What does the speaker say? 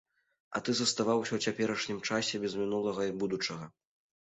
А ты заставаўся ў цяперашнім часе, без мінулага і будучага.